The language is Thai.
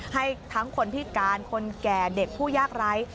ให้ทั้งคนพิการคนแก่เด็กผู้ยากไร้